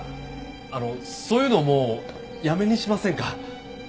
あのそういうのもうやめにしませんか？